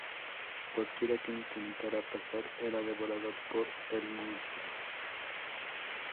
Cualquiera que intentara pasar era devorado por el monstruo.